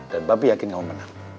dan papi yakin kamu menang